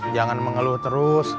jangan mengeluh terus